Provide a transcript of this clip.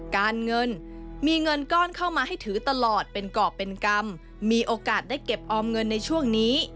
การเงินมีเงินก้อนเข้ามาให้ถือตลอดเป็นกรอบเป็นกรรมมีโอกาสได้เก็บออมเงินในช่วงนี้